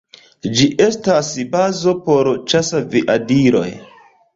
Ĝi estas bazo por ĉasaviadiloj.